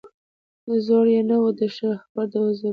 زور یې نه وو د شهپر د وزرونو